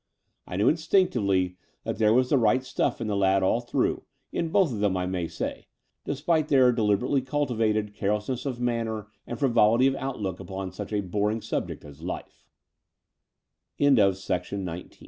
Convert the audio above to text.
I knew instinctively that there was the right stuff in the lad all thit>ugh — ^in both of them, I may say — despite their ddibeAtdy cultivated careless ness of manner and frivolity of outlook upon such a boring subject a